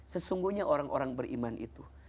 sesungguhnya orang orang beriman itu